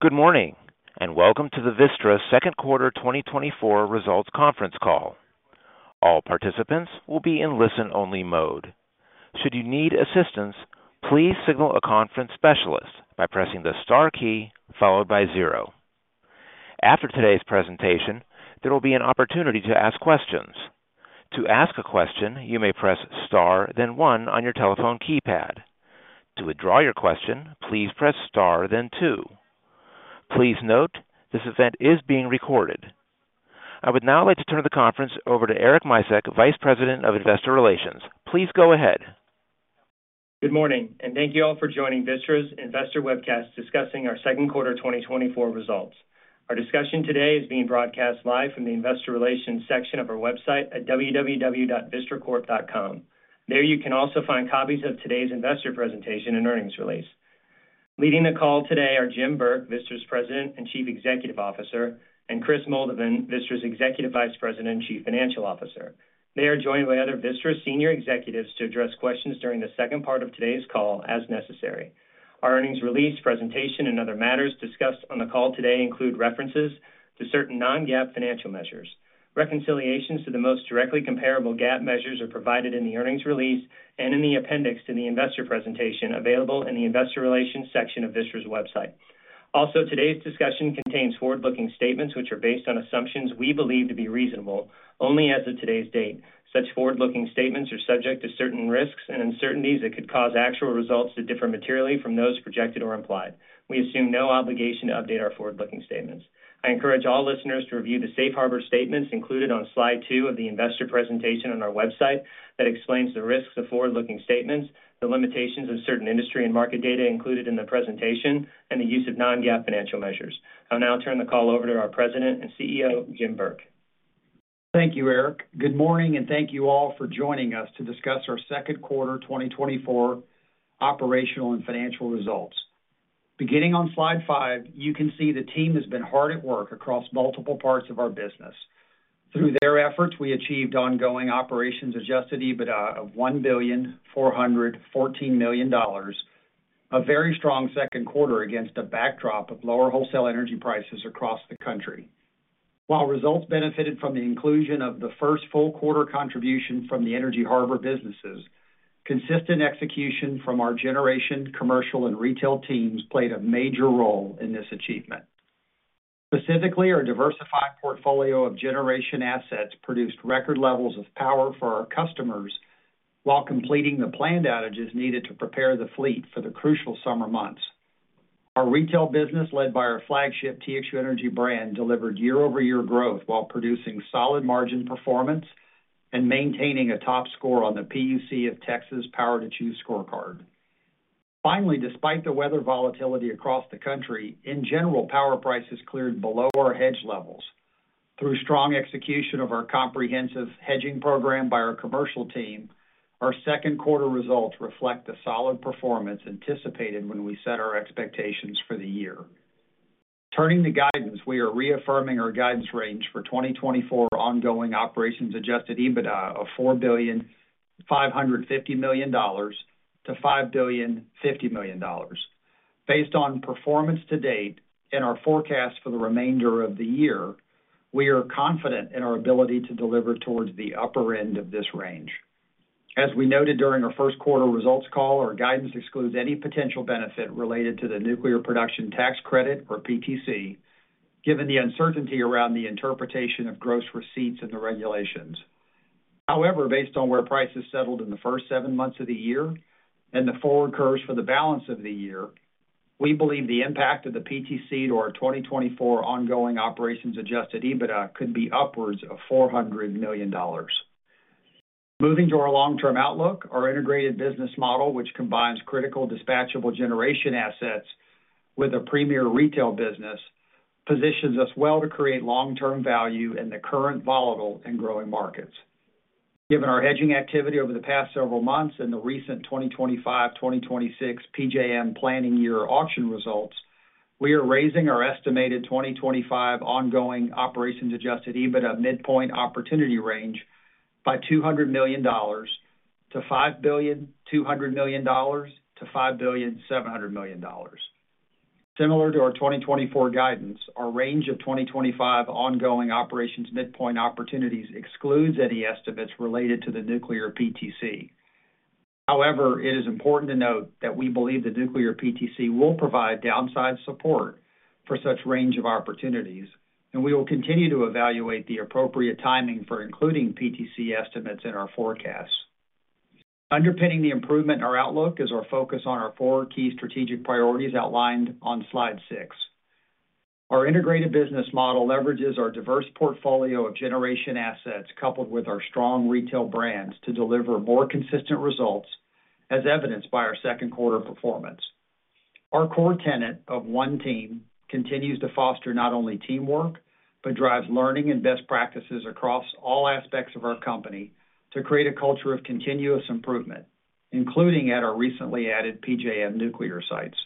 Good morning, and welcome to the Vistra Second Quarter 2024 Results Conference Call. All participants will be in listen-only mode. Should you need assistance, please signal a conference specialist by pressing the star key followed by zero. After today's presentation, there will be an opportunity to ask questions. To ask a question, you may press star, then one on your telephone keypad. To withdraw your question, please press star, then two. Please note, this event is being recorded. I would now like to turn the conference over to Eric Micek, Vice President of Investor Relations. Please go ahead. Good morning, and thank you all for joining Vistra's investor webcast discussing our second quarter 2024 results. Our discussion today is being broadcast live from the investor relations section of our website at www.vistracorp.com. There, you can also find copies of today's investor presentation and earnings release. Leading the call today are Jim Burke, Vistra's President and Chief Executive Officer, and Kris Moldovan, Vistra's Executive Vice President and Chief Financial Officer. They are joined by other Vistra senior executives to address questions during the second part of today's call, as necessary. Our earnings release, presentation, and other matters discussed on the call today include references to certain non-GAAP financial measures. Reconciliations to the most directly comparable GAAP measures are provided in the earnings release and in the appendix to the investor presentation, available in the investor relations section of Vistra's website. Also, today's discussion contains forward-looking statements which are based on assumptions we believe to be reasonable only as of today's date. Such forward-looking statements are subject to certain risks and uncertainties that could cause actual results to differ materially from those projected or implied. We assume no obligation to update our forward-looking statements. I encourage all listeners to review th e safe harbor statements included on slide two of the investor presentation on our website that explains the risks of forward-looking statements, the limitations of certain industry and market data included in the presentation, and the use of non-GAAP financial measures. I'll now turn the call over to our President and CEO, Jim Burke. Thank you, Eric. Good morning, and thank you all for joining us to discuss our second quarter 2024 operational and financial results. Beginning on slide 5, you can see the team has been hard at work across multiple parts of our business. Through their efforts, we achieved ongoing operations adjusted EBITDA of $1.414 billion, a very strong second quarter against a backdrop of lower wholesale energy prices across the country. While results benefited from the inclusion of the first full quarter contribution from the Energy Harbor businesses, consistent execution from our generation, commercial, and retail teams played a major role in this achievement. Specifically, our diversified portfolio of generation assets produced record levels of power for our customers while completing the planned outages needed to prepare the fleet for the crucial summer months. Our retail business, led by our flagship TXU Energy brand, delivered year-over-year growth while producing solid margin performance and maintaining a top score on the PUCT Power to Choose scorecard. Finally, despite the weather volatility across the country, in general, power prices cleared below our hedge levels. Through strong execution of our comprehensive hedging program by our commercial team, our second quarter results reflect the solid performance anticipated when we set our expectations for the year. Turning to guidance, we are reaffirming our guidance range for 2024 ongoing operations adjusted EBITDA of $4.55 billion-$5.05 billion. Based on performance to date and our forecast for the remainder of the year, we are confident in our ability to deliver towards the upper end of this range. As we noted during our first quarter results call, our guidance excludes any potential benefit related to the nuclear production tax credit, or PTC, given the uncertainty around the interpretation of gross receipts in the regulations. However, based on where prices settled in the first seven months of the year and the forward curves for the balance of the year, we believe the impact of the PTC to our 2024 ongoing operations adjusted EBITDA could be upwards of $400 million. Moving to our long-term outlook, our integrated business model, which combines critical dispatchable generation assets with a premier retail business, positions us well to create long-term value in the current volatile and growing markets. Given our hedging activity over the past several months and the recent 2025-2026 PJM planning year auction results, we are raising our estimated 2025 ongoing operations adjusted EBITDA midpoint opportunity range by $200 million to $5.2 billion-$5.7 billion. Similar to our 2024 guidance, our range of 2025 ongoing operations midpoint opportunities excludes any estimates related to the nuclear PTC. However, it is important to note that we believe the nuclear PTC will provide downside support for such range of opportunities, and we will continue to evaluate the appropriate timing for including PTC estimates in our forecasts. Underpinning the improvement in our outlook is our focus on our four key strategic priorities outlined on slide 6. Our integrated business model leverages our diverse portfolio of generation assets, coupled with our strong retail brands, to deliver more consistent results, as evidenced by our second quarter performance. Our core tenet of one team continues to foster not only teamwork, but drives learning and best practices across all aspects of our company to create a culture of continuous improvement, including at our recently added PJM nuclear sites.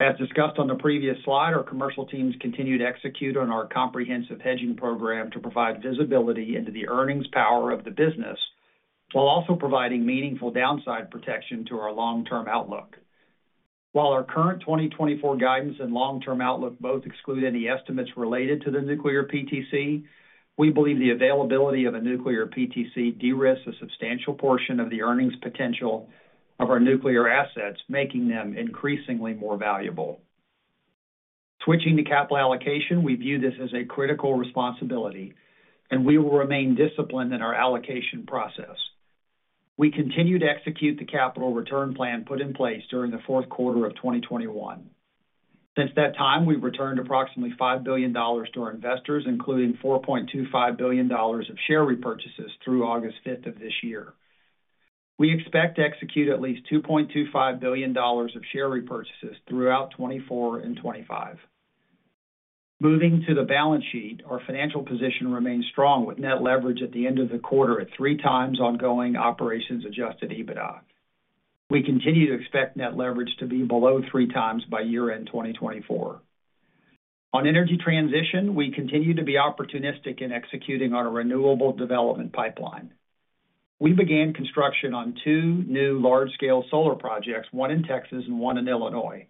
As discussed on the previous slide, our commercial teams continue to execute on our comprehensive hedging program to provide visibility into the earnings power of the business, while also providing meaningful downside protection to our long-term outlook. While our current 2024 guidance and long-term outlook both exclude any estimates related to the nuclear PTC, we believe the availability of a nuclear PTC de-risks a substantial portion of the earnings potential of our nuclear assets, making them increasingly more valuable. Switching to capital allocation, we view this as a critical responsibility, and we will remain disciplined in our allocation process. We continue to execute the capital return plan put in place during the fourth quarter of 2021. Since that time, we've returned approximately $5 billion to our investors, including $4.25 billion of share repurchases through August 5 of this year. We expect to execute at least $2.25 billion of share repurchases throughout 2024 and 2025. Moving to the balance sheet, our financial position remains strong, with net leverage at the end of the quarter at 3x ongoing operations adjusted EBITDA. We continue to expect net leverage to be below 3x by year-end 2024. On energy transition, we continue to be opportunistic in executing on our renewable development pipeline. We began construction on two new large-scale solar projects, one in Texas and one in Illinois.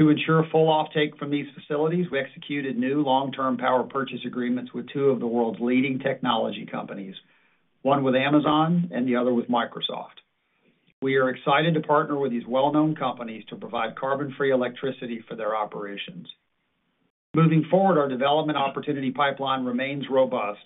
To ensure full offtake from these facilities, we executed new long-term power purchase agreements with two of the world's leading technology companies, one with Amazon and the other with Microsoft. We are excited to partner with these well-known companies to provide carbon-free electricity for their operations. Moving forward, our development opportunity pipeline remains robust.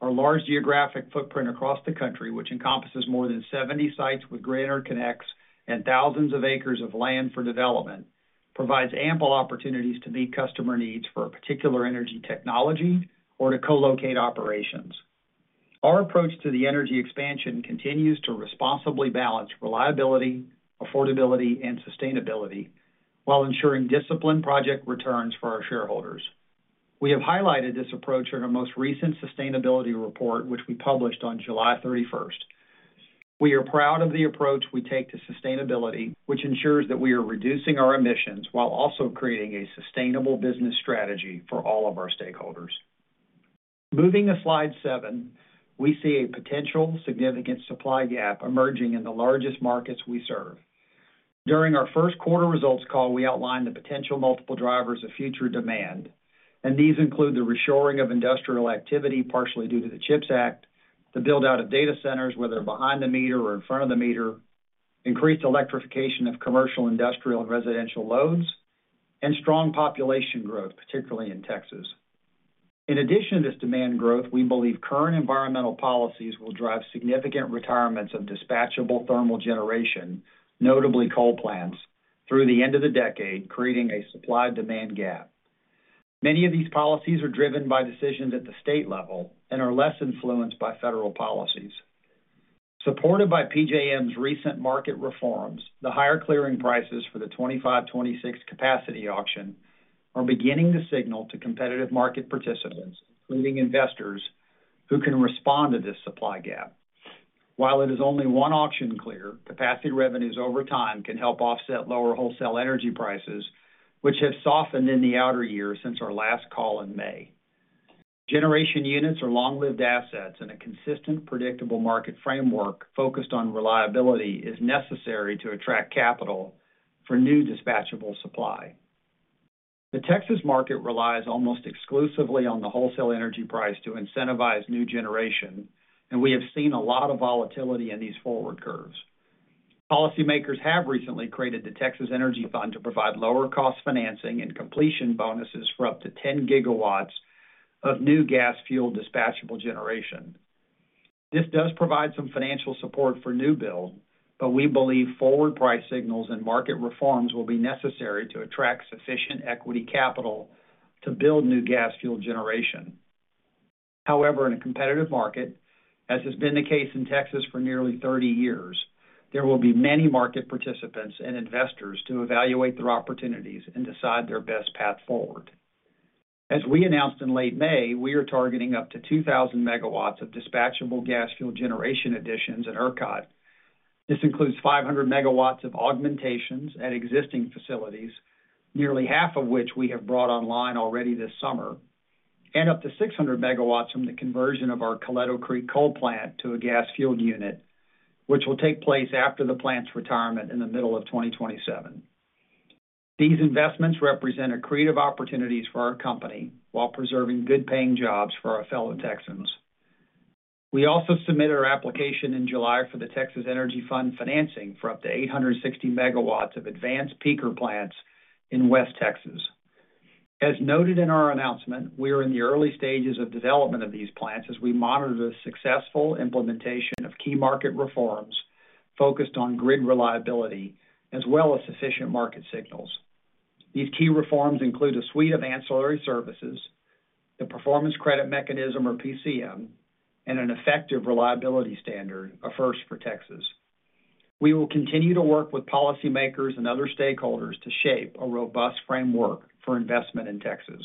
Our large geographic footprint across the country, which encompasses more than 70 sites with grid interconnects and thousands of acres of land for development, provides ample opportunities to meet customer needs for a particular energy technology or to co-locate operations. Our approach to the energy expansion continues to responsibly balance reliability, affordability, and sustainability while ensuring disciplined project returns for our shareholders. We have highlighted this approach in our most recent sustainability report, which we published on July 31. We are proud of the approach we take to sustainability, which ensures that we are reducing our emissions while also creating a sustainable business strategy for all of our stakeholders. Moving to slide 7, we see a potential significant supply gap emerging in the largest markets we serve. During our first quarter results call, we outlined the potential multiple drivers of future demand, and these include the reshoring of industrial activity, partially due to the CHIPS Act, the build-out of data centers, whether behind the meter or front of the meter, increased electrification of commercial, industrial, and residential loads, and strong population growth, particularly in Texas. In addition to this demand growth, we believe current environmental policies will drive significant retirements of dispatchable thermal generation, notably coal plants, through the end of the decade, creating a supply-demand gap. Many of these policies are driven by decisions at the state level and are less influenced by federal policies. Supported by PJM's recent market reforms, the higher clearing prices for the 2025-2026 capacity auction are beginning to signal to competitive market participants, including investors, who can respond to this supply gap. While it is only one auction clear, capacity revenues over time can help offset lower wholesale energy prices, which have softened in the outer years since our last call in May. Generation units are long-lived assets, and a consistent, predictable market framework focused on reliability is necessary to attract capital for new dispatchable supply. The Texas market relies almost exclusively on the wholesale energy price to incentivize new generation, and we have seen a lot of volatility in these forward curves. Policymakers have recently created the Texas Energy Fund to provide lower-cost financing and completion bonuses for up to 10 gigawatts of new gas-fueled dispatchable generation. This does provide some financial support for new build, but we believe forward price signals and market reforms will be necessary to attract sufficient equity capital to build new gas-fueled generation. However, in a competitive market, as has been the case in Texas for nearly 30 years, there will be many market participants and investors to evaluate their opportunities and decide their best path forward. As we announced in late May, we are targeting up to 2,000 megawatts of dispatchable gas-fueled generation additions in ERCOT. This includes 500 MW of augmentations at existing facilities, nearly half of which we have brought online already this summer, and up to 600 MW from the conversion of our Coleto Creek coal plant to a gas-fueled unit, which will take place after the plant's retirement in the middle of 2027. These investments represent accretive opportunities for our company while preserving good-paying jobs for our fellow Texans. We also submitted our application in July for the Texas Energy Fund financing for up to 860 MW of advanced peaker plants in West Texas. As noted in our announcement, we are i n the early stages of development of these plants as we monitor the successful implementation of key market reforms focused on grid reliability, as well as sufficient market signals. These key reforms include a suite of ancillary services, the Performance Credit Mechanism, or PCM, and an effective reliability standard, a first for Texas. We will continue to work with policymakers and other stakeholders to shape a robust framework for investment in Texas.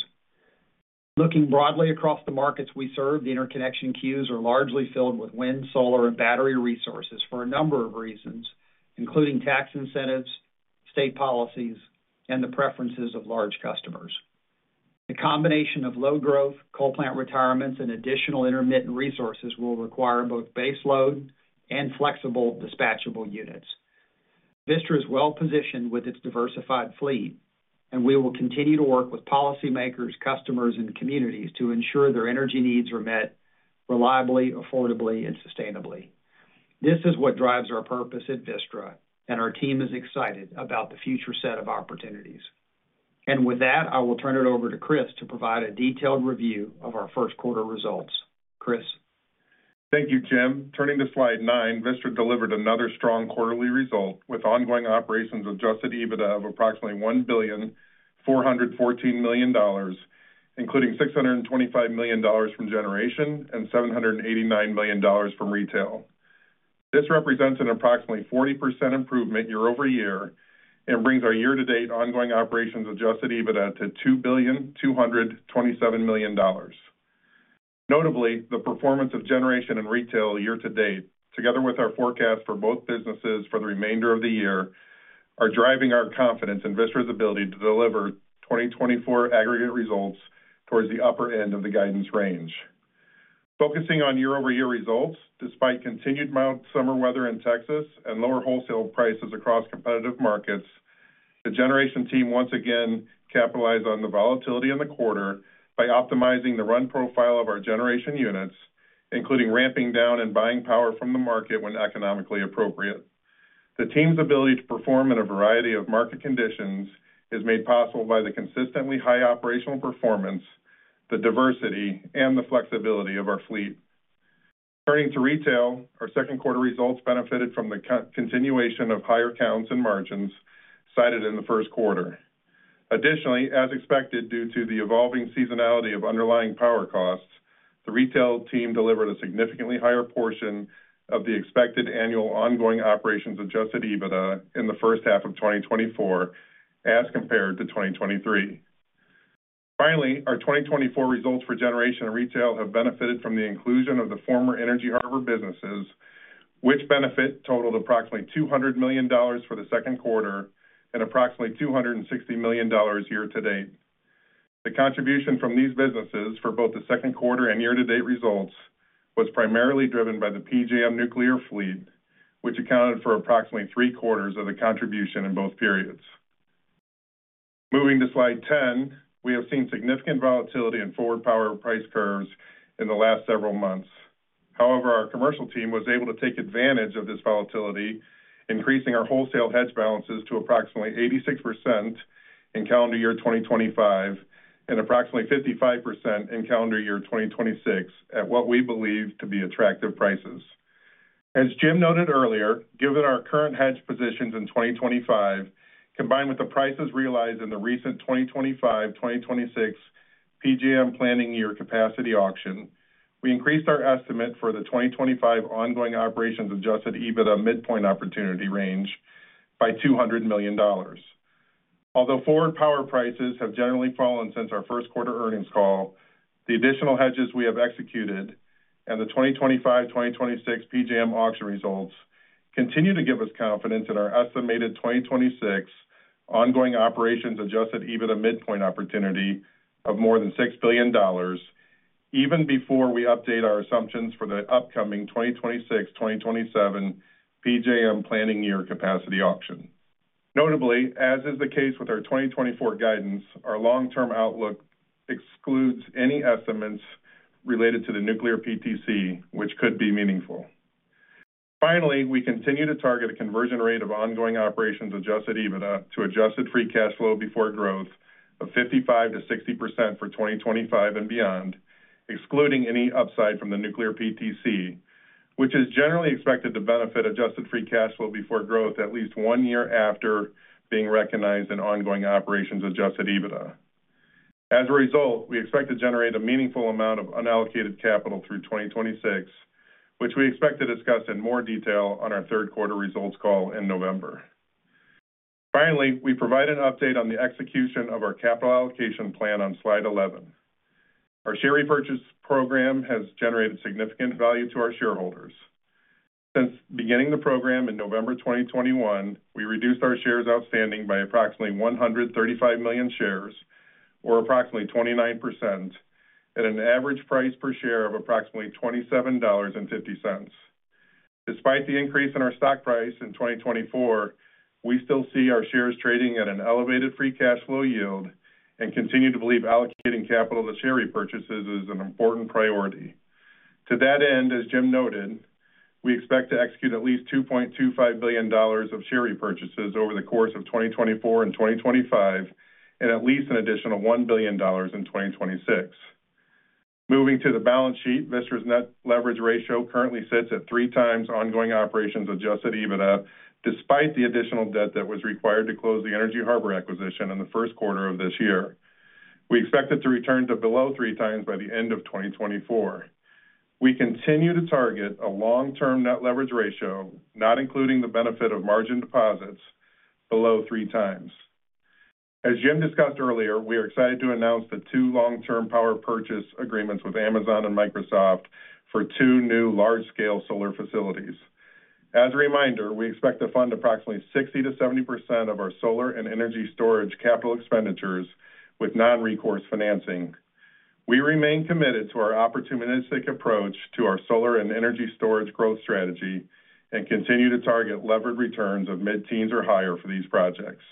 Looking broadly across the markets we serve, the interconnection queues are largely filled with wind, solar, and battery resources for a number of reasons, including tax incentives, state policies, and the preferences of large customers.... The combination of low growth, coal plant retirements, and additional intermittent resources will require both baseload and flexible dispatchable units. Vistra is well-positioned with its diversified fleet, and we will continue to work with policymakers, customers, and communities to ensure their energy needs are met reliably, affordably, and sustainably. This is what drives our purpose at Vistra, and our team is excited about the future set of opportunities. With that, I will turn it over to Kris to provide a detailed review of our first quarter results. Kris? Thank you, Jim. Turning to slide 9, Vistra delivered another strong quarterly result, with ongoing operations adjusted EBITDA of approximately $1.414 billion, including $625 million from generation and $789 million from retail. This represents an approximately 40% improvement year-over-year, and brings our year-to-date ongoing operations adjusted EBITDA to $2.227 billion. Notably, the performance of generation and retail year-to-date, together with our forecast for both businesses for the remainder of the year, are driving our confidence in Vistra's ability to deliver 2024 aggregate results towards the upper end of the guidance range. Focusing on year-over-year results, despite continued mild summer weather in Texas and lower wholesale prices across competitive markets, the generation team once again capitalized on the volatility in the quarter by optimizing the run profile of our generation units, including ramping down and buying power from the market when economically appropriate. The team's ability to perform in a variety of market conditions is made possible by the consistently high operational performance, the diversity, and the flexibility of our fleet. Turning to retail, our second quarter results benefited from the continuation of higher counts and margins cited in the first quarter. Additionally, as expected, due to the evolving seasonality of underlying power costs, the retail team delivered a significantly higher portion of the expected annual ongoing operations adjusted EBITDA in the first half of 2024, as compared to 2023. Finally, our 2024 results for generation and retail have benefited from the inclusion of the former Energy Harbor businesses, which benefit totaled approximately $200 million for the second quarter and approximately $260 million year-to-date. The contribution from these businesses for both the second quarter and year-to-date results was primarily driven by the PJM nuclear fleet, which accounted for approximately three quarters of the contribution in both periods. Moving to slide 10, we have seen significant volatility in forward power price curves in the last several months. However, our commercial team was able to take advantage of this volatility, increasing our wholesale hedge balances to approximately 86% in calendar year 2025, and approximately 55% in calendar year 2026, at what we believe to be attractive prices. As Jim noted earlier, given our current hedge positions in 2025, combined with the prices realized in the recent 2025, 2026 PJM planning year capacity auction, we increased our estimate for the 2025 ongoing operations adjusted EBITDA midpoint opportunity range by $200 million. Although forward power prices have generally fallen since our first quarter earnings call, the additional hedges we have executed and the 2025-2026 PJM auction results continue to give us confidence in our estimated 2026 ongoing operations adjusted EBITDA midpoint opportunity of more than $6 billion, even before we update our assumptions for the upcoming 2026/2027 PJM planning year capacity auction. Notably, as is the case with our 2024 guidance, our long-term outlook excludes any estimates related to the nuclear PTC, which could be meaningful. Finally, we continue to target a conversion rate of ongoing operations adjusted EBITDA to adjusted free cash flow before growth of 55%-60% for 2025 and beyond, excluding any upside from the nuclear PTC, which is generally expected to benefit adjusted free cash flow before growth at least one year after being recognized in ongoing operations adjusted EBITDA. As a result, we expect to generate a meaningful amount of unallocated capital through 2026, which we expect to discuss in more detail on our third quarter results call in November. Finally, we provide an update on the execution of our capital allocation plan on slide 11. Our share repurchase program has generated significant value to our shareholders. Since beginning the program in November 2021, we reduced our shares outstanding by approximately 135 million shares, or approximately 29%, at an average price per share of approximately $27.50. Despite the increase in our stock price in 2024, we still see our shares trading at an elevated free cash flow yield and continue to believe allocating capital to share repurchases is an important priority. To that end, as Jim noted, we expect to execute at least $2.25 billion of share repurchases over the course of 2024 and 2025, and at least an additional $1 billion in 2026. Moving to the balance sheet, Vistra's net leverage ratio currently sits at 3x ongoing operations adjusted EBITDA, despite the additional debt that was required to close the Energy Harbor acquisition in the first quarter of this year. We expect it to return to below 3x by the end of 2024. We continue to target a long-term net leverage ratio, not including the benefit of margin deposits, below 3x. As Jim discussed earlier, we are excited to announce the 2 long-term power purchase agreements with Amazon and Microsoft for 2 new large-scale solar facilities. ...As a reminder, we expect to fund approximately 60%-70% of our solar and energy storage capital expenditures with non-recourse financing. We remain committed to our opportunistic approach to our solar and energy storage growth strategy and continue to target levered returns of mid-teens or higher for these projects.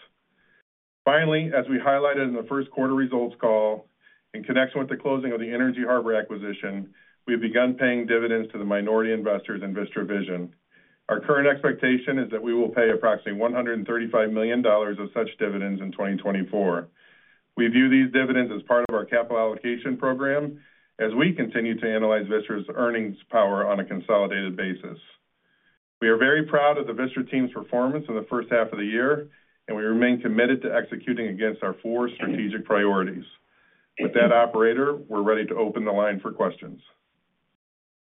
Finally, as we highlighted in the first quarter results call, in connection with the closing of the Energy Harbor acquisition, we have begun paying dividends to the minority investors in Vistra Vision. Our current expectation is that we will pay approximately $135 million of such dividends in 2024. We view these dividends as part of our capital allocation program as we continue to analyze Vistra's earnings power on a consolidated basis. We are very proud of the Vistra team's performance in the first half of the year, and we remain committed to executing against our four strategic priorities. With that, operator, we're ready to open the line for questions.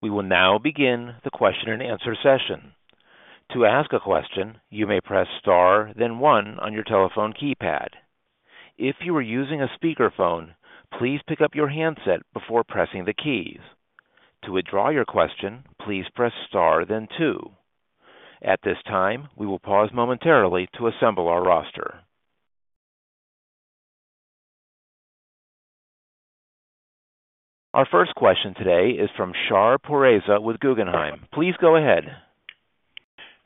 We will now begin the question-and-answer session. To ask a question, you may press star, then one on your telephone keypad. If you are using a speakerphone, please pick up your handset before pressing the keys. To withdraw your question, please press star then two. At this time, we will pause momentarily to assemble our roster. Our first question today is from Shar Pourreza with Guggenheim. Please go ahead.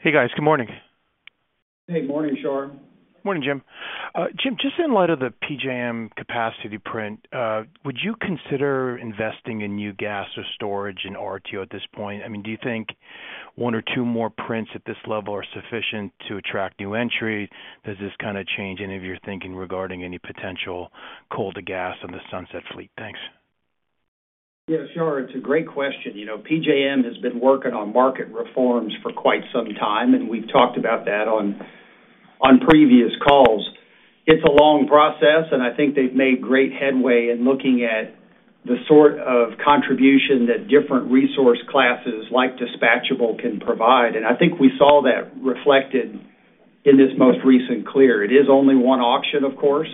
Hey, guys. Good morning. Hey, morning, Shar. Morning, Jim. Jim, just in light of the PJM capacity print, would you consider investing in new gas or storage in RTO at this point? I mean, do you think one or two more prints at this level are sufficient to attract new entry? Does this kind of change any of your thinking regarding any potential coal to gas on the sunset fleet? Thanks. Yeah, Shar, it's a great question. You know, PJM has been working on market reforms for quite some time, and we've talked about that on previous calls. It's a long process, and I think they've made great headway in looking at the sort of contribution that different resource classes like dispatchable can provide. And I think we saw that reflected in this most recent clear. It is only one auction, of course,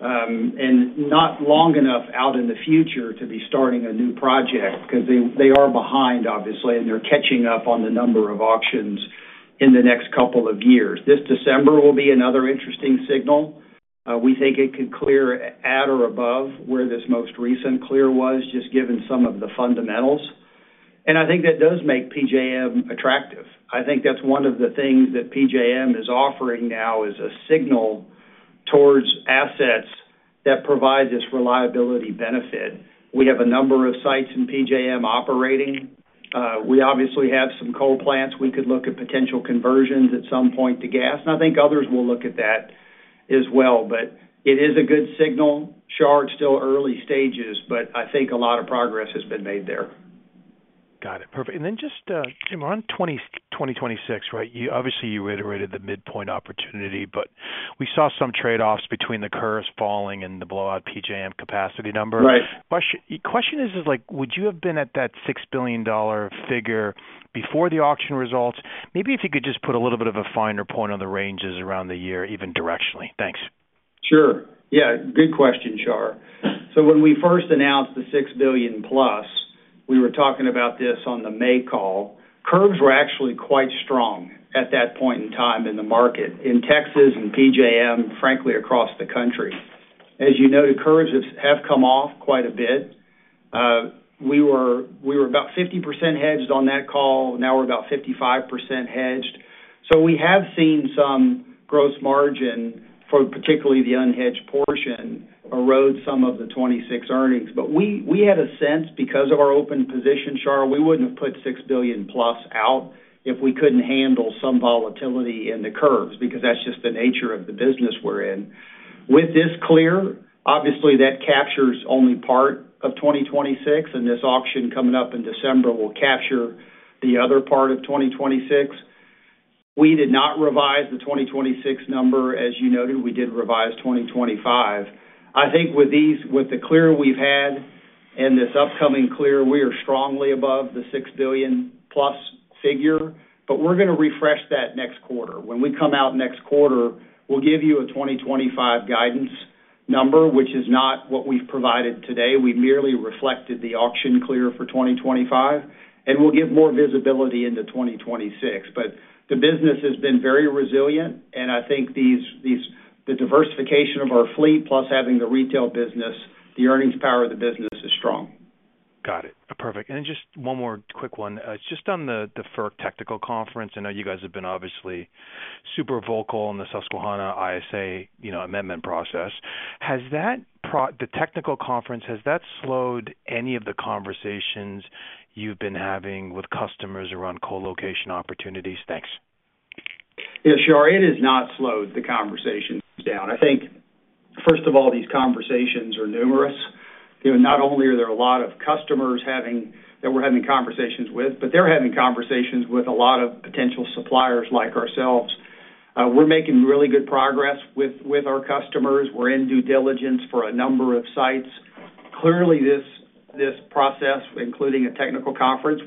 and not long enough out in the future to be starting a new project because they are behind, obviously, and they're catching up on the number of auctions in the next couple of years. This December will be another interesting signal. We think it could clear at or above where this most recent clear was, just given some of the fundamentals. And I think that does make PJM attractive. I think that's one of the things that PJM is offering now is a signal towards assets that provide this reliability benefit. We have a number of sites in PJM operating. We obviously have some coal plants. We could look at potential conversions at some point to gas, and I think others will look at that as well. But it is a good signal, Shar. It's still early stages, but I think a lot of progress has been made there. Got it. Perfect. And then just, Jim, on 2026, right? You obviously you reiterated the midpoint opportunity, but we saw some trade-offs between the curves falling and the blowout PJM capacity number. Right. Question, the question is, like, would you have been at that $6 billion figure before the auction results? Maybe if you could just put a little bit of a finer point on the ranges around the year, even directionally. Thanks. Sure. Yeah, good question, Shar. So when we first announced the $6 billion-plus, we were talking about this on the May call. Curves were actually quite strong at that point in time in the market, in Texas and PJM, frankly, across the country. As you noted, curves have come off quite a bit. We were about 50% hedged on that call. Now we're about 55% hedged. So we have seen some gross margin for particularly the unhedged portion, erode some of the 2026 earnings. But we had a sense because of our open position, Char, we wouldn't have put $6 billion plus out if we couldn't handle some volatility in the curves, because that's just the nature of the business we're in. With this clear, obviously, that captures only part of 2026, and this auction coming up in December will capture the other part of 2026. We did not revise the 2026 number. As you noted, we did revise 2025. I think with the clear we've had and this upcoming clear, we are strongly above the $6 billion+ figure, but we're going to refresh that next quarter. When we come out next quarter, we'll give you a 2025 guidance number, which is not what we've provided today. We merely reflected the auction clear for 2025, and we'll get more visibility into 2026. But the business has been very resilient, and I think the diversification of our fleet, plus having the retail business, the earnings power of the business is strong. Got it. Perfect. And just one more quick one. Just on the FERC technical conference, I know you guys have been obviously super vocal on the Susquehanna ISA, you know, amendment process. Has that? The technical conference, has that slowed any of the conversations you've been having with customers around co-location opportunities? Thanks. Yeah, Shar, it has not slowed the conversations down. I think, first of all, these conversations are numerous. You know, not only are there a lot of customers having that we're having conversations with, but they're having conversations with a lot of potential suppliers like ourselves. We're making really good progress with our customers. We're in due diligence for a number of sites. Clearly, this process, including a technical conference,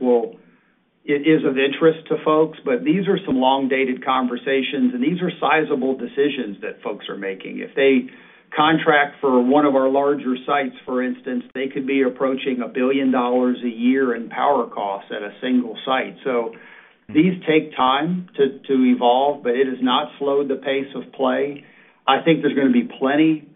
is of interest to folks, but these are some long-dated conversations, and these are sizable decisions that folks are making. If they contract for one of our larger sites, for instance, they could be approaching $1 billion a year in power costs at a single site. These take time to evolve, but it has not slowed the pace of play. I think there's gonna be plenty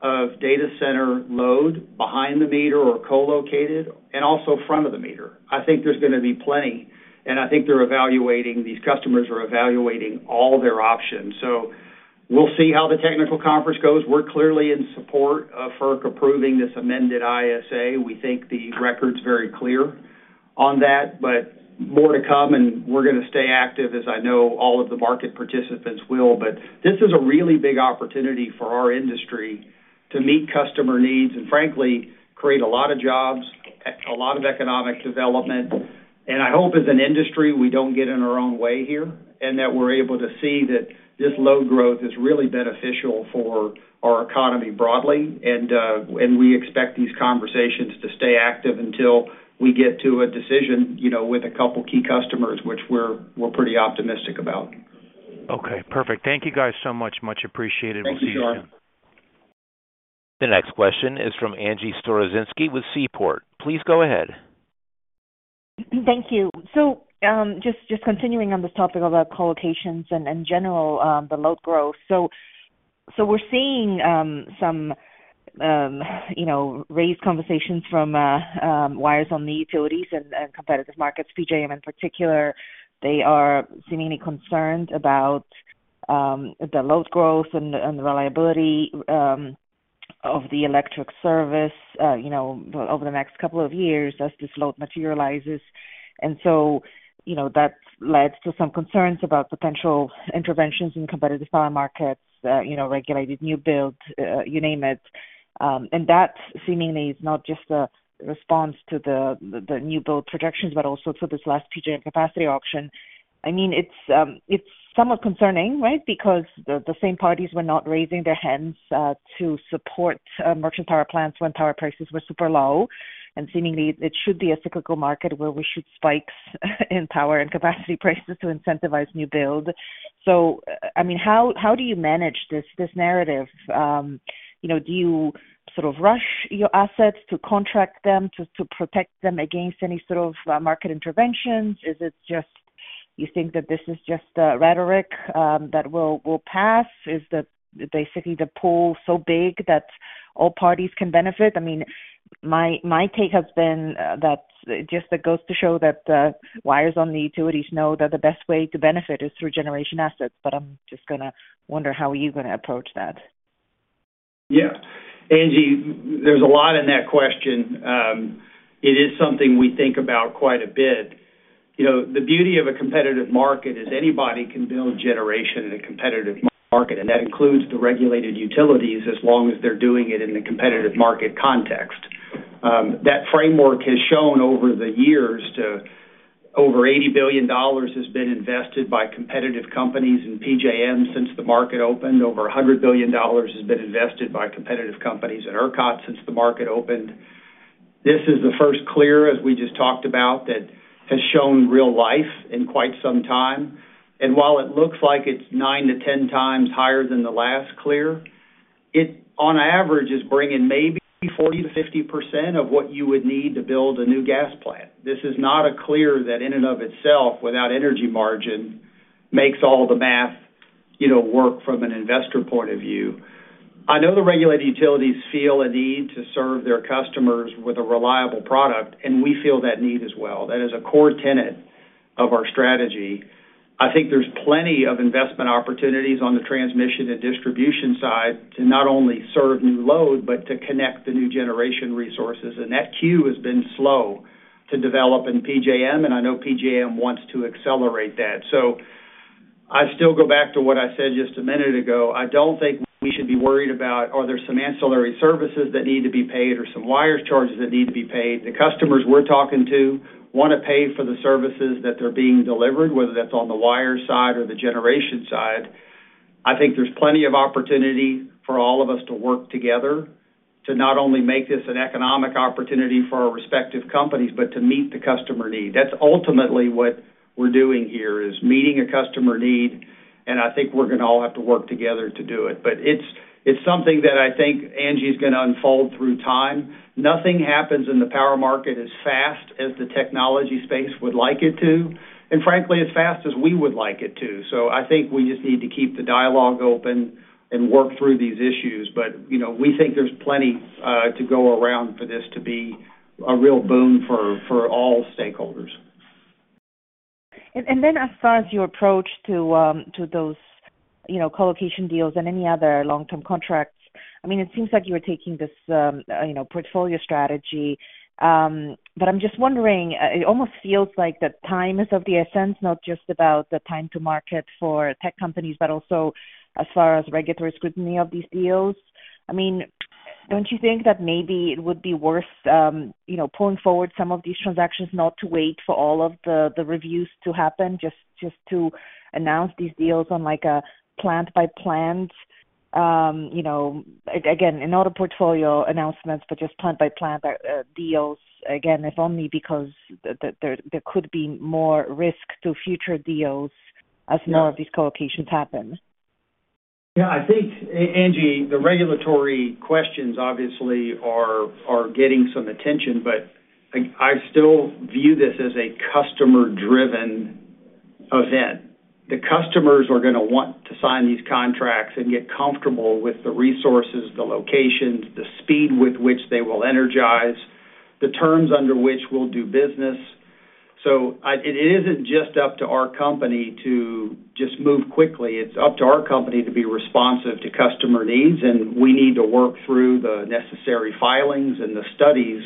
of data center load behind the meter or co-located, and also front of the meter. I think there's gonna be plenty, and I think they're evaluating, these customers are evaluating all their options. So we'll see how the technical conference goes. We're clearly in support of FERC approving this amended ISA. We think the record's very clear on that, but more to come, and we're gonna stay active, as I know all of the market participants will. But this is a really big opportunity for our industry to meet customer needs and frankly, create a lot of jobs, a lot of economic development. And I hope as an industry, we don't get in our own way here, and that we're able to see that this load growth is really beneficial for our economy broadly. We expect these conversations to stay active until we get to a decision, you know, with a couple key customers, which we're pretty optimistic about. Okay, perfect. Thank you, guys, so much. Much appreciated. Thank you, Shar. We'll see you again. The next question is from Angie Storozynski with Seaport. Please go ahead. Thank you. So, just continuing on this topic about co-locations and general, the load growth. So, we're seeing some, you know, raised conversations from wires and the utilities and competitive markets, PJM in particular. They are seemingly concerned about the load growth and the reliability of the electric service, you know, over the next couple of years as this load materializes. So, you know, that's led to some concerns about potential interventions in competitive power markets, you know, regulated new build, you name it. And that seemingly is not just a response to the new build projections, but also for this last PJM capacity auction. I mean, it's somewhat concerning, right? Because the same parties were not raising their hands to support merchant power plants when power prices were super low. Seemingly, it should be a cyclical market where we should spikes in power and capacity prices to incentivize new build. So, I mean, how do you manage this narrative? You know, do you sort of rush your assets to contract them to protect them against any sort of market interventions? Is it just you think that this is just rhetoric that will pass? Is basically the pool so big that all parties can benefit? I mean, my take has been that just it goes to show that wires on the utilities know that the best way to benefit is through generation assets, but I'm just gonna wonder how are you gonna approach that? Yeah. Angie, there's a lot in that question. It is something we think about quite a bit. You know, the beauty of a competitive market is anybody can build generation in a competitive market, and that includes the regulated utilities, as long as they're doing it in a competitive market context. That framework has shown over the years to over $80 billion has been invested by competitive companies in PJM since the market opened. Over $100 billion has been invested by competitive companies in ERCOT since the market opened. This is the first clear, as we just talked about, that has shown real life in quite some time. And while it looks like it's 9-10 times higher than the last clear, it, on average, is bringing maybe 40%-50% of what you would need to build a new gas plant. This is not clear that in and of itself, without energy margin, makes all the math, you know, work from an investor point of view. I know the regulated utilities feel a need to serve their customers with a reliable product, and we feel that need as well. That is a core tenet of our strategy. I think there's plenty of investment opportunities on the transmission and distribution side to not only serve new load, but to connect the new generation resources. And that queue has been slow to develop in PJM, and I know PJM wants to accelerate that. So I still go back to what I said just a minute ago. I don't think we should be worried about, are there some ancillary services that need to be paid or some wires charges that need to be paid? The customers we're talking to want to pay for the services that they're being delivered, whether that's on the wire side or the generation side. I think there's plenty of opportunity for all of us to work together to not only make this an economic opportunity for our respective companies, but to meet the customer need. That's ultimately what we're doing here, is meeting a customer need, and I think we're gonna all have to work together to do it. But it's, it's something that I think, Angie, is gonna unfold through time. Nothing happens in the power market as fast as the technology space would like it to, and frankly, as fast as we would like it to. So I think we just need to keep the dialogue open and work through these issues. But, you know, we think there's plenty to go around for this to be a real boom for, for all stakeholders. And then as far as your approach to to those, you know, co-location deals and any other long-term contracts, I mean, it seems like you are taking this, you know, portfolio strategy. But I'm just wondering, it almost feels like the time is of the essence, not just about the time to market for tech companies, but also as far as regulatory scrutiny of these deals. I mean, don't you think that maybe it would be worth, you know, pulling forward some of these transactions, not to wait for all of the reviews to happen, just to announce these deals on, like, a plant-by-plant? You know, again, not a portfolio announcement, but just plant-by-plant deals, again, if only because there could be more risk to future deals as none of these co-locations happen. ... Yeah, I think, Angie, the regulatory questions obviously are getting some attention, but I still view this as a customer-driven event. The customers are gonna want to sign these contracts and get comfortable with the resources, the locations, the speed with which they will energize, the terms under which we'll do business. So it isn't just up to our company to just move quickly. It's up to our company to be responsive to customer needs, and we need to work through the necessary filings and the studies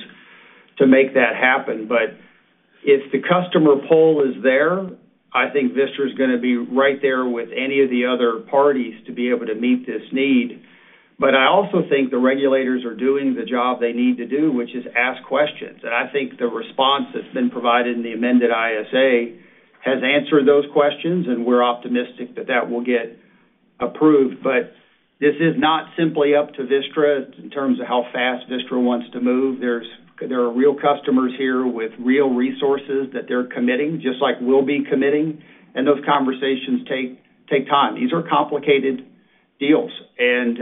to make that happen. But if the customer pull is there, I think Vistra is gonna be right there with any of the other parties to be able to meet this need. But I also think the regulators are doing the job they need to do, which is ask questions. And I think the response that's been provided in the amended ISA has answered those questions, and we're optimistic that that will get approved. But this is not simply up to Vistra in terms of how fast Vistra wants to move. There are real customers here with real resources that they're committing, just like we'll be committing, and those conversations take time. These are complicated deals, and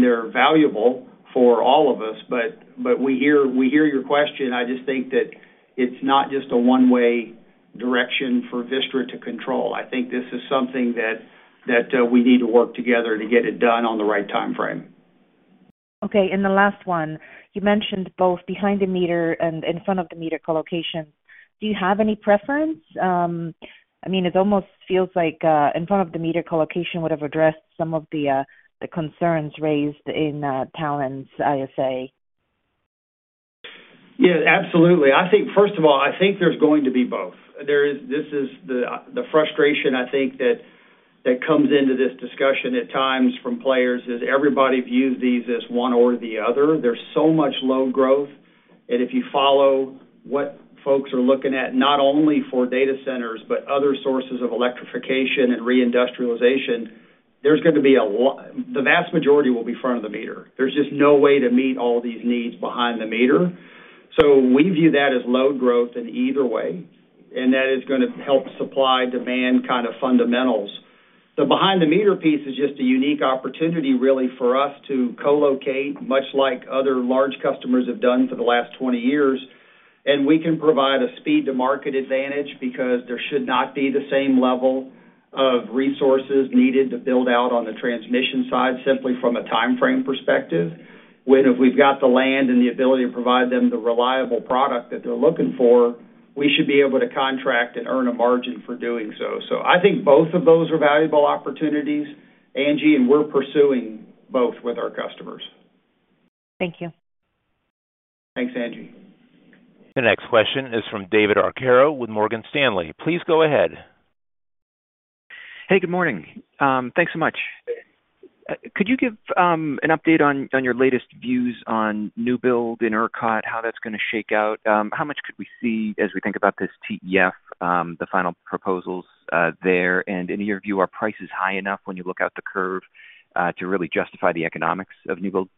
they're valuable for all of us. But we hear your question. I just think that it's not just a one-way direction for Vistra to control. I think this is something that we need to work together to get it done on the right time frame. Okay, and the last one. You mentioned both behind the meter and in front of the meter co-location. Do you have any preference? I mean, it almost feels like, in front of the meter co-location would have addressed some of the concerns raised in, Talen's ISA. Yeah, absolutely. I think, first of all, I think there's going to be both. This is the frustration I think that comes into this discussion at times from players, is everybody views these as one or the other. There's so much load growth, and if you follow what folks are looking at, not only for data centers, but other sources of electrification and reindustrialization, the vast majority will be front of the meter. There's just no way to meet all these needs behind the meter. So we view that as load growth in either way, and that is gonna help supply-demand kind of fundamentals. The behind the meter piece is just a unique opportunity, really, for us to co-locate, much like other large customers have done for the last 20 years, and we can provide a speed-to-market advantage because there should not be the same level of resources needed to build out on the transmission side, simply from a time frame perspective, when if we've got the land and the ability to provide them the reliable product that they're looking for, we should be able to contract and earn a margin for doing so. So I think both of those are valuable opportunities, Angie, and we're pursuing both with our customers. Thank you. Thanks, Angie. The next question is from David Arcaro with Morgan Stanley. Please go ahead. Hey, good morning. Thanks so much. Could you give an update on your latest views on new build in ERCOT, how that's gonna shake out? How much could we see as we think about this TEF, the final proposals there? And in your view, are prices high enough when you look out the curve to really justify the economics of new build?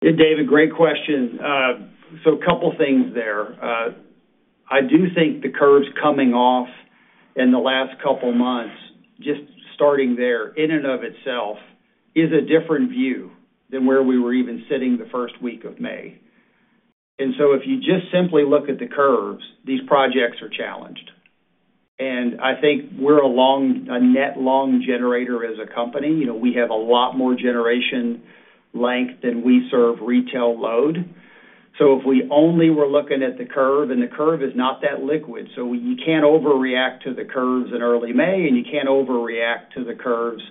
Yeah, David, great question. So a couple things there. I do think the curves coming off in the last couple months, just starting there, in and of itself, is a different view than where we were even sitting the first week of May. And so if you just simply look at the curves, these projects are challenged. And I think we're a long, a net long generator as a company. You know, we have a lot more generation length than we serve retail load. So if we only were looking at the curve, and the curve is not that liquid, so you can't overreact to the curves in early May, and you can't overreact to the curves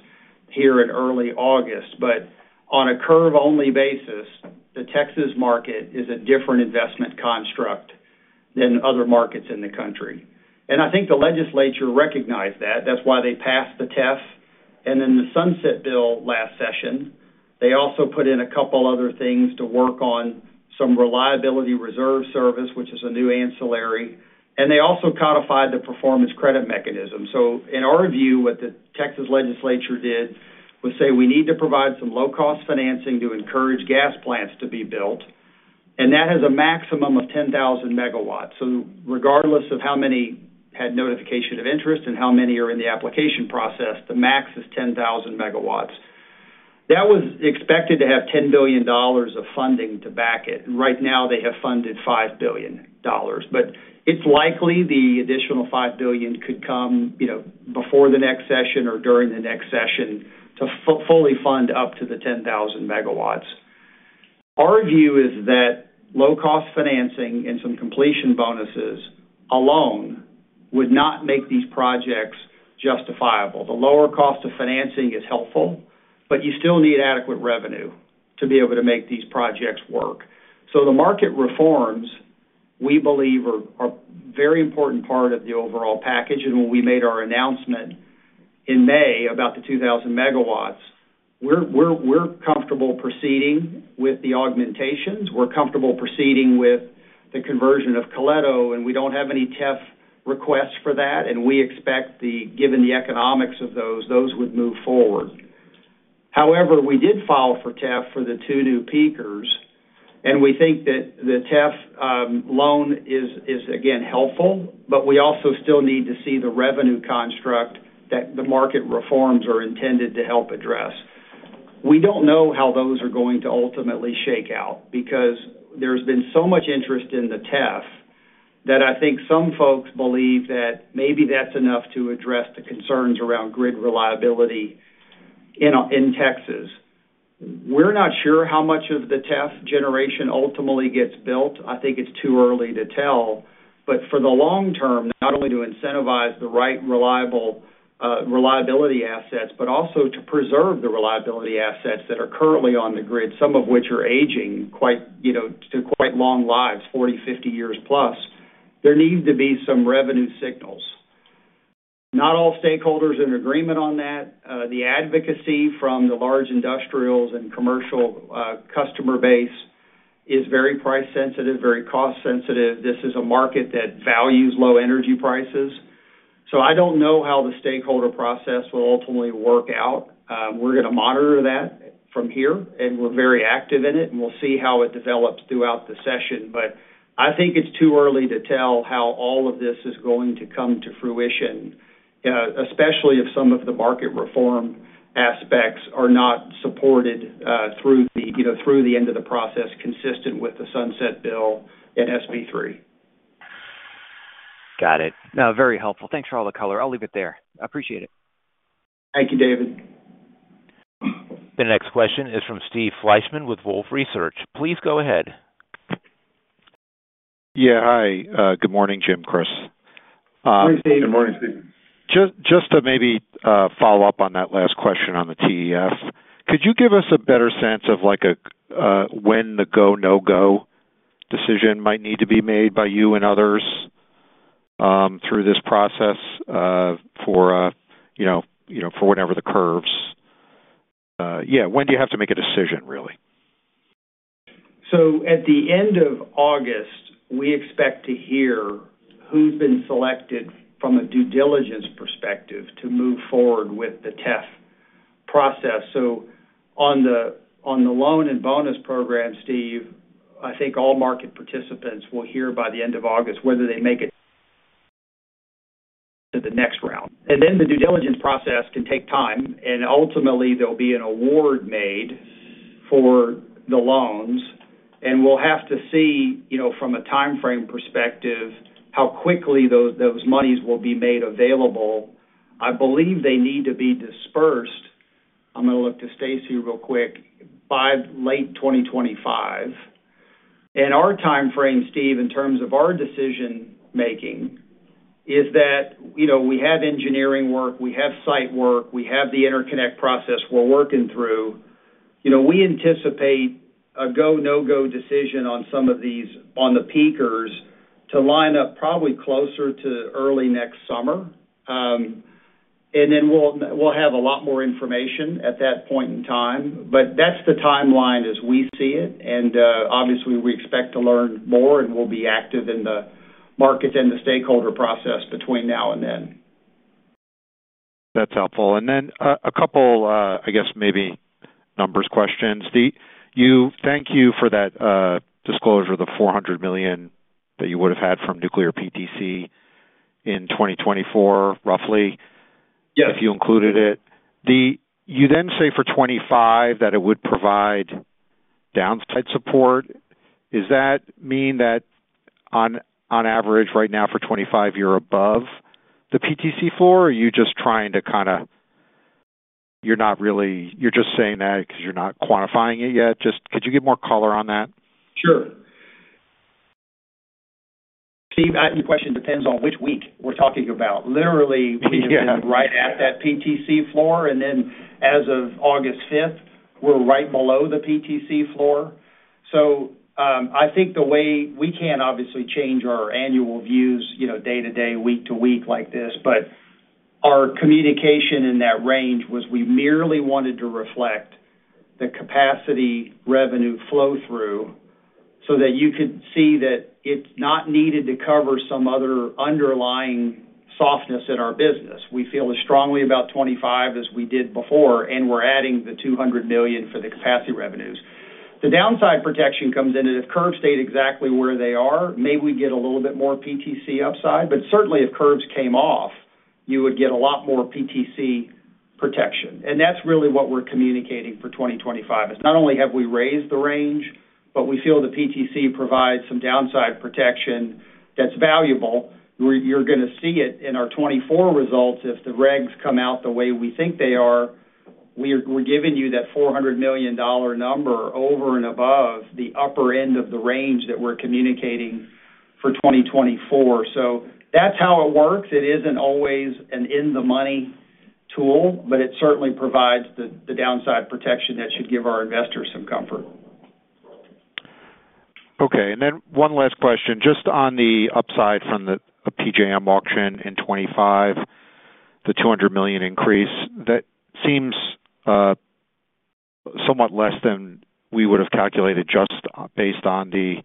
here in early August. But on a curve-only basis, the Texas market is a different investment construct than other markets in the country. And I think the legislature recognized that. That's why they passed the TEF and then the Sunset Bill last session. They also put in a couple other things to work on, some reliability reserve service, which is a new ancillary, and they also codified the performance credit mechanism. So in our view, what the Texas legislature did was say we need to provide some low-cost financing to encourage gas plants to be built, and that has a maximum of 10,000 megawatts. So regardless of how many had notification of interest and how many are in the application process, the max is 10,000 megawatts. That was expected to have $10 billion of funding to back it, and right now they have funded $5 billion. But it's likely the additional $5 billion could come, you know, before the next session or during the next session to fully fund up to the 10,000 megawatts. Our view is that low-cost financing and some completion bonuses alone would not make these projects justifiable. The lower cost of financing is helpful, but you still need adequate revenue to be able to make these projects work. So the market reforms, we believe, are a very important part of the overall package, and when we made our announcement in May about the 2,000 megawatts, we're comfortable proceeding with the augmentations, we're comfortable proceeding with the conversion of Coleto, and we don't have any TEF requests for that, and we expect, given the economics of those, those would move forward. However, we did file for TEF for the two new peakers, and we think that the TEF loan is again helpful, but we also still need to see the revenue construct that the market reforms are intended to help address. We don't know how those are going to ultimately shake out, because there's been so much interest in the TEF, that I think some folks believe that maybe that's enough to address the concerns around grid reliability in Texas. We're not sure how much of the TEF generation ultimately gets built. I think it's too early to tell. But for the long term, not only to incentivize the right, reliable, reliability assets, but also to preserve the reliability assets that are currently on the grid, some of which are aging quite, you know, to quite long lives, 40, 50 years plus, there needs to be some revenue signals. Not all stakeholders are in agreement on that. The advocacy from the large industrials and commercial customer base is very price sensitive, very cost sensitive. This is a market that values low energy prices. I don't know how the stakeholder process will ultimately work out. We're gonna monitor that from here, and we're very active in it, and we'll see how it develops throughout the session. But I think it's too early to tell how all of this is going to come to fruition, especially if some of the market reform aspects are not supported, through, you know, the end of the process, consistent with the Sunset Bill and SB3. Got it. No, very helpful. Thanks for all the color. I'll leave it there. I appreciate it. Thank you, David. The next question is from Steve Fleischmann with Wolfe Research. Please go ahead. Yeah. Hi, good morning, Jim, Kris. Good morning, Steve. Good morning, Steve. Just to maybe follow up on that last question on the TEF, could you give us a better sense of, like, when the go-no-go decision might need to be made by you and others through this process, for you know, you know, for whatever the curves? Yeah, when do you have to make a decision, really? So at the end of August, we expect to hear who's been selected from a due diligence perspective to move forward with the TEF process. So on the loan and bonus program, Steve, I think all market participants will hear by the end of August whether they make it to the next round. And then the due diligence process can take time, and ultimately there'll be an award made for the loans, and we'll have to see, you know, from a timeframe perspective, how quickly those, those monies will be made available. I believe they need to be dispersed, I'm gonna look to Stacey real quick, by late 2025. And our timeframe, Steve, in terms of our decision-making, is that, you know, we have engineering work, we have site work, we have the interconnect process we're working through. You know, we anticipate a go, no-go decision on some of these, on the peakers, to line up probably closer to early next summer. And then we'll, we'll have a lot more information at that point in time. But that's the timeline as we see it, and obviously, we expect to learn more, and we'll be active in the markets and the stakeholder process between now and then. That's helpful. And then, a couple, I guess, maybe numbers questions. Steve, you—thank you for that disclosure of the $400 million that you would have had from Nuclear PTC in 2024, roughly— Yes... If you included it. You then say for 2025, that it would provide downside support. Does that mean that on average, right now for 2025, you're above the PTC floor? Or are you just trying to kinda? You're not really? You're just saying that because you're not quantifying it yet? Just could you give more color on that? Sure. Steve, your question depends on which week we're talking about. Literally- Yeah... We have been right at that PTC floor, and then as of August 5, we're right below the PTC floor. So, I think we can't obviously change our annual views, you know, day to day, week to week like this, but our communication in that range was, we merely wanted to reflect the capacity revenue flow-through, so that you could see that it's not needed to cover some other underlying softness in our business. We feel as strongly about 2025 as we did before, and we're adding the $200 million for the capacity revenues. The downside protection comes in, and if curves stayed exactly where they are, may we get a little bit more PTC upside, but certainly if curves came off, you would get a lot more PTC protection. And that's really what we're communicating for 2025, is not only have we raised the range, but we feel the PTC provides some downside protection that's valuable, where you're gonna see it in our 2024 results if the regs come out the way we think they are. We're giving you that $400 million number over and above the upper end of the range that we're communicating for 2024. So that's how it works. It isn't always an in-the-money tool, but it certainly provides the downside protection that should give our investors some comfort. Okay, and then one last question. Just on the upside from the PJM auction in 2025, the $200 million increase, that seems somewhat less than we would have calculated just based on the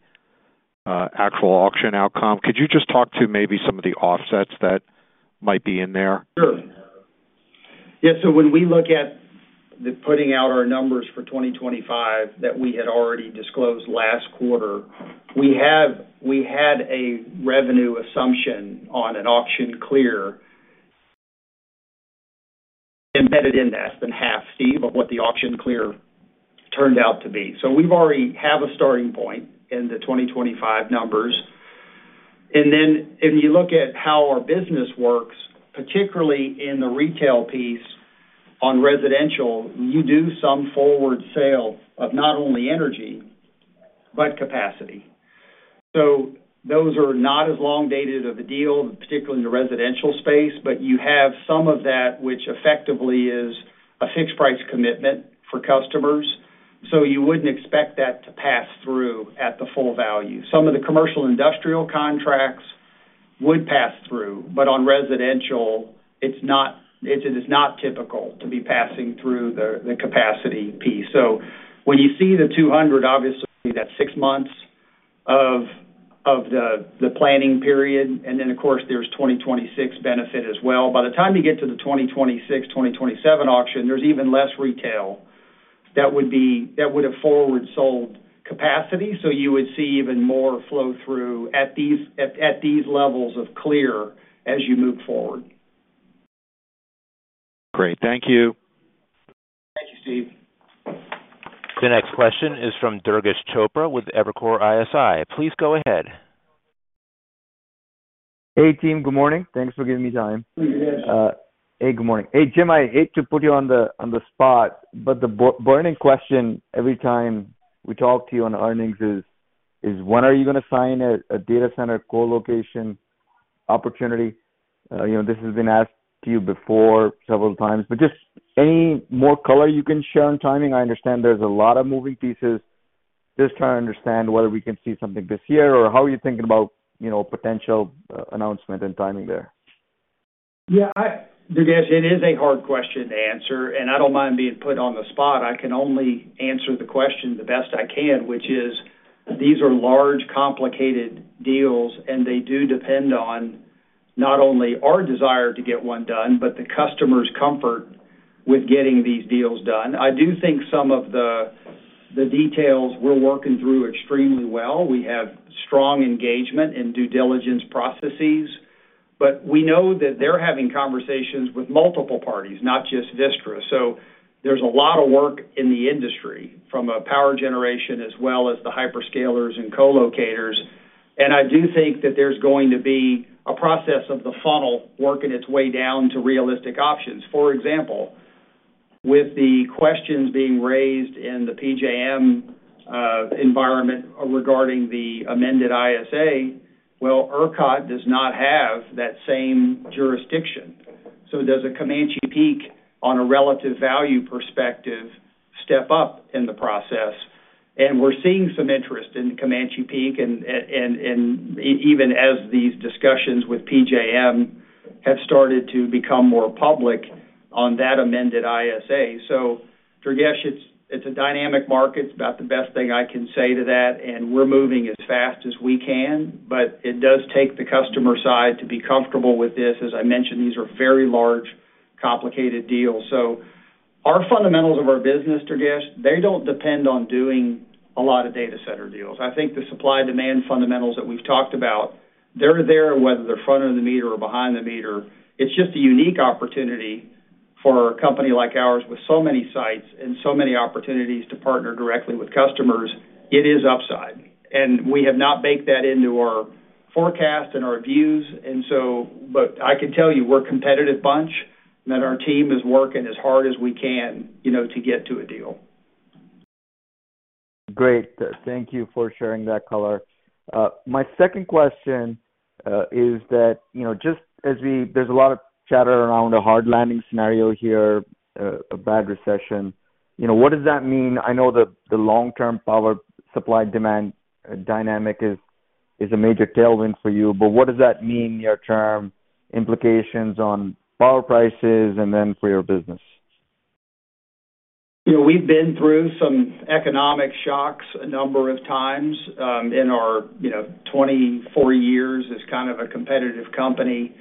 actual auction outcome. Could you just talk to maybe some of the offsets that might be in there? Sure. Yeah, so when we look at us putting out our numbers for 2025 that we had already disclosed last quarter, we had a revenue assumption on an auction clear embedded in that, less than half, Steve, of what the auction clear turned out to be. So we already have a starting point in the 2025 numbers. And then if you look at how our business works, particularly in the retail piece on residential, you do some forward sale of not only energy, but capacity. So those are not as long-dated of a deal, particularly in the residential space, but you have some of that which effectively is a fixed price commitment for customers. So you wouldn't expect that to pass through at the full value. Some of the commercial industrial contracts would pass through, but on residential, it's not. It's just not typical to be passing through the capacity piece. So when you see the 200, obviously, that's six months of the planning period, and then, of course, there's 2026 benefit as well. By the time you get to the 2026, 2027 auction, there's even less retail that would have forward sold capacity, so you would see even more flow through at these levels of clear as you move forward. Great. Thank you. Thank you, Steve. The next question is from Durgesh Chopra with Evercore ISI. Please go ahead. Hey, team. Good morning. Thanks for giving me time. Hey, Durgesh. Hey, good morning. Hey, Jim, I hate to put you on the, on the spot, but the burning question every time we talk to you on earnings is when are you going to sign a data center co-location opportunity? You know, this has been asked to you before several times, but just any more color you can share on timing? I understand there's a lot of moving pieces. Just trying to understand whether we can see something this year, or how are you thinking about, you know, potential announcement and timing there? Yeah, Durgesh, it is a hard question to answer, and I don't mind being put on the spot. I can only answer the question the best I can, which is, these are large, complicated deals, and they do depend on not only our desire to get one done, but the customer's comfort with getting these deals done. I do think some of the details we're working through extremely well. We have strong engagement in due diligence processes, but we know that they're having conversations with multiple parties, not just Vistra. So there's a lot of work in the industry, from a power generation as well as the hyperscalers and co-locators, and I do think that there's going to be a process of the funnel working its way down to realistic options. For example, with the questions being raised in the PJM environment regarding the amended ISA, well, ERCOT does not have that same jurisdiction. So does a Comanche Peak, on a relative value perspective, step up in the process? And we're seeing some interest in Comanche Peak, and even as these discussions with PJM have started to become more public on that amended ISA. So Durgesh, it's a dynamic market. It's about the best thing I can say to that, and we're moving as fast as we can, but it does take the customer side to be comfortable with this. As I mentioned, these are very large, complicated deals. So our fundamentals of our business, Durgesh, they don't depend on doing a lot of data center deals. I think the supply-demand fundamentals that we've talked about, they're there, whether they're front of the meter or behind the meter. It's just a unique opportunity for a company like ours with so many sites and so many opportunities to partner directly with customers. It is upside, and we have not baked that into our forecast and our views, and so... But I can tell you, we're a competitive bunch, and that our team is working as hard as we can, you know, to get to a deal. Great. Thank you for sharing that color. My second question is that, you know, there's a lot of chatter around a hard landing scenario here, a bad recession. You know, what does that mean? I know that the long-term power supply-demand dynamic is a major tailwind for you, but what does that mean near-term implications on power prices and then for your business? You know, we've been through some economic shocks a number of times, in our, you know, 24 years as kind of a competitive company.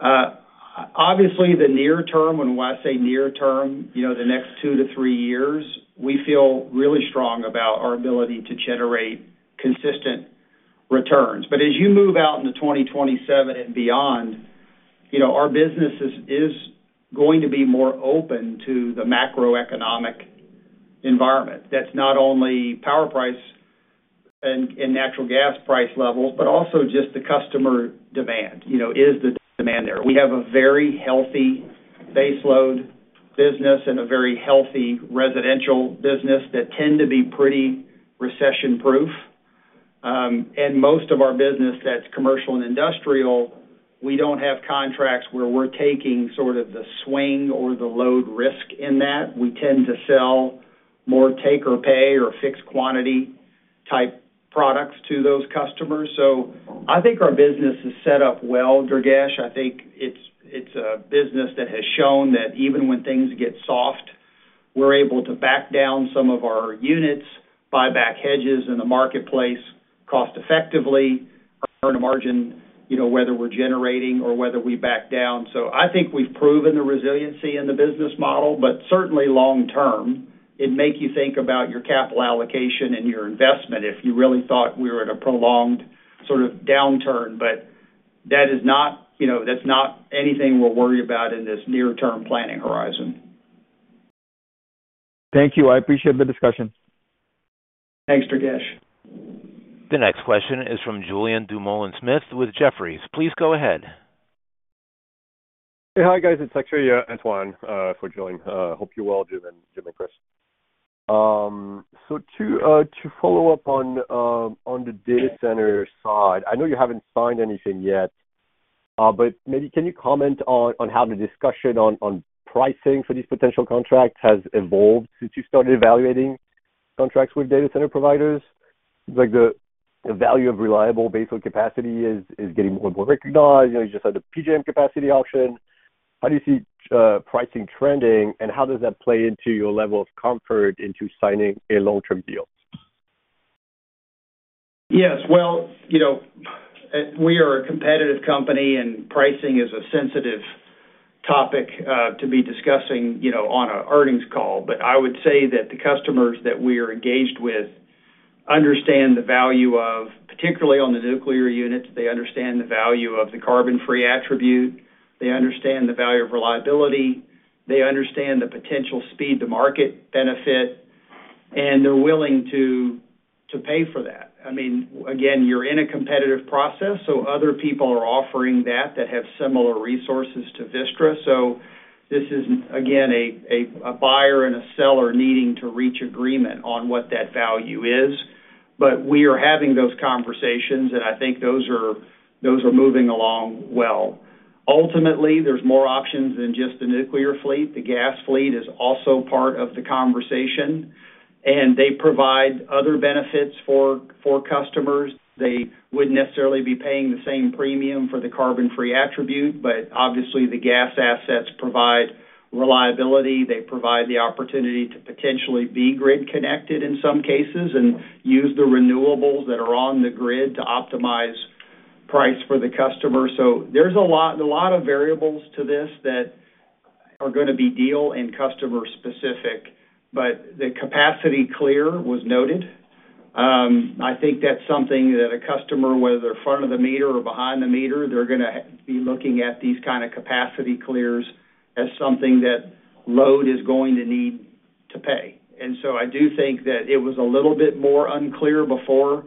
Obviously, the near term, and when I say near term, you know, the next 2-3 years, we feel really strong about our ability to generate consistent returns. But as you move out into 2027 and beyond, you know, our business is going to be more open to the macroeconomic environment. That's not only power price and natural gas price levels, but also just the customer demand. You know, is the demand there? We have a very healthy base load business and a very healthy residential business that tend to be pretty recession-proof. And most of our business, that's commercial and industrial, we don't have contracts where we're taking sort of the swing or the load risk in that. We tend to sell more take-or-pay or fixed-quantity type products to those customers. So I think our business is set up well, Durgesh. I think it's, it's a business that has shown that even when things get soft... We're able to back down some of our units, buy back hedges in the marketplace, cost effectively, earn a margin, you know, whether we're generating or whether we back down. So I think we've proven the resiliency in the business model, but certainly long term, it'd make you think about your capital allocation and your investment if you really thought we were in a prolonged sort of downturn. But that is not, you know, that's not anything we'll worry about in this near-term planning horizon. Thank you. I appreciate the discussion. Thanks, Durgesh. The next question is from Julian Dumoulin-Smith with Jefferies. Please go ahead. Hey, hi, guys. It's actually, Antoine, for Julian. Hope you're well, Jim and, Jim and Kris. So to follow up on the data center side, I know you haven't signed anything yet, but maybe can you comment on how the discussion on pricing for these potential contracts has evolved since you started evaluating contracts with data center providers? Like, the value of reliable baseload capacity is getting more and more recognized. You know, you just had the PJM capacity auction. How do you see pricing trending, and how does that play into your level of comfort into signing a long-term deal? Yes, well, you know, we are a competitive company, and pricing is a sensitive topic to be discussing, you know, on an earnings call. But I would say that the customers that we are engaged with understand the value of, particularly on the nuclear units, they understand the value of the carbon-free attribute. They understand the value of reliability. They understand the potential speed to market benefit, and they're willing to pay for that. I mean, again, you're in a competitive process, so other people are offering that that have similar resources to Vistra. So this is, again, a buyer and a seller needing to reach agreement on what that value is. But we are having those conversations, and I think those are moving along well. Ultimately, there's more options than just the nuclear fleet. The gas fleet is also part of the conversation, and they provide other benefits for customers. They wouldn't necessarily be paying the same premium for the carbon-free attribute, but obviously, the gas assets provide reliability. They provide the opportunity to potentially be grid connected in some cases and use the renewables that are on the grid to optimize price for the customer. So there's a lot of variables to this that are gonna be deal and customer specific, but the capacity clear was noted. I think that's something that a customer, whether they're in front of the meter or behind the meter, they're gonna be looking at these kind of capacity clears as something that load is going to need to pay. And so I do think that it was a little bit more unclear before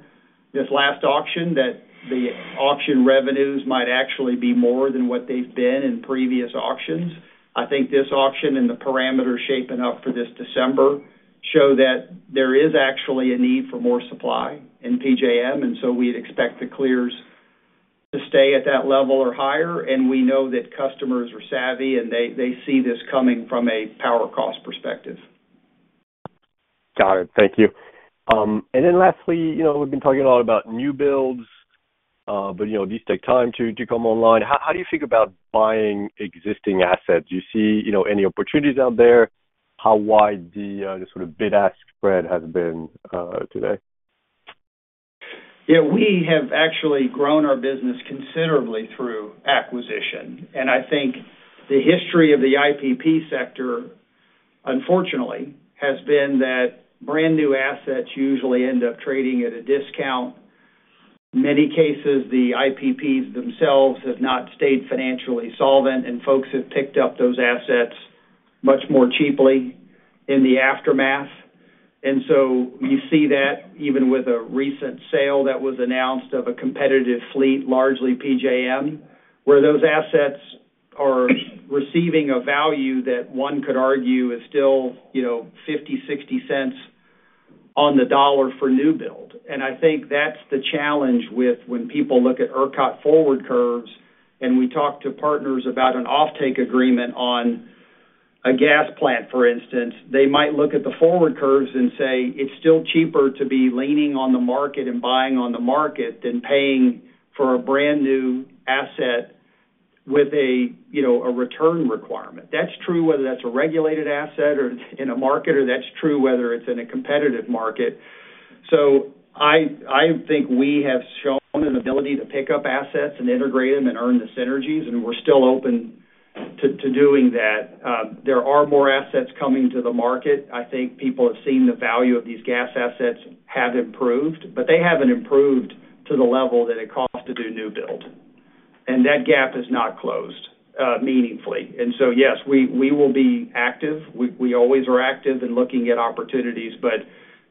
this last auction, that the auction revenues might actually be more than what they've been in previous auctions. I think this auction and the parameters shaping up for this December show that there is actually a need for more supply in PJM, and so we'd expect the clears to stay at that level or higher, and we know that customers are savvy, and they, they see this coming from a power cost perspective. Got it. Thank you. And then lastly, you know, we've been talking a lot about new builds, but, you know, these take time to come online. How do you think about buying existing assets? Do you see, you know, any opportunities out there? How wide the sort of bid-ask spread has been today? Yeah, we have actually grown our business considerably through acquisition. And I think the history of the IPP sector, unfortunately, has been that brand-new assets usually end up trading at a discount. Many cases, the IPPs themselves have not stayed financially solvent, and folks have picked up those assets much more cheaply in the aftermath. And so you see that even with a recent sale that was announced of a competitive fleet, largely PJM, where those assets are receiving a value that one could argue is still, you know, 50-60 cents on the dollar for new build. And I think that's the challenge with when people look at ERCOT forward curves, and we talk to partners about an offtake agreement on a gas plant, for instance. They might look at the forward curves and say, "It's still cheaper to be leaning on the market and buying on the market than paying for a brand-new asset with a, you know, a return requirement." That's true, whether that's a regulated asset or in a market, or that's true whether it's in a competitive market. So I, I think we have shown an ability to pick up assets and integrate them and earn the synergies, and we're still open to, to doing that. There are more assets coming to the market. I think people have seen the value of these gas assets have improved, but they haven't improved to the level that it costs to do new build, and that gap has not closed, meaningfully. And so, yes, we, we will be active. We always are active in looking at opportunities, but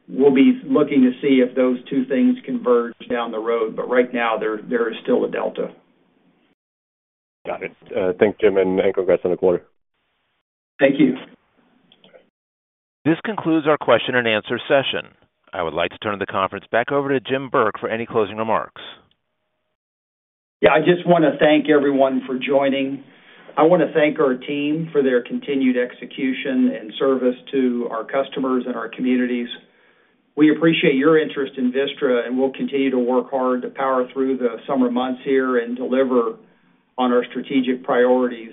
we'll be looking to see if those two things converge down the road. But right now, there is still a delta. Got it. Thanks, Jim, and congrats on the quarter. Thank you. This concludes our question and answer session. I would like to turn the conference back over to Jim Burke for any closing remarks. Yeah, I just wanna thank everyone for joining. I wanna thank our team for their continued execution and service to our customers and our communities. We appreciate your interest in Vistra, and we'll continue to work hard to power through the summer months here and deliver on our strategic priorities.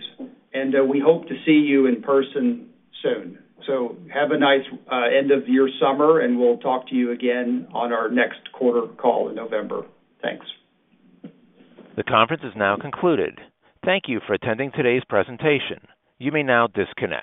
We hope to see you in person soon. Have a nice end of your summer, and we'll talk to you again on our next quarter call in November. Thanks. The conference is now concluded. Thank you for attending today's presentation. You may now disconnect.